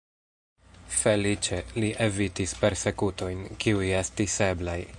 Feliĉe, li evitis persekutojn, kiuj estis eblaj.